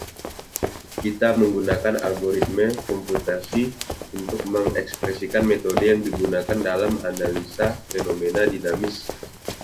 Kita menggunakan algoritme komputasi untuk mengekspresikan metode yang digunakan dalam analisa fenomena dinamis.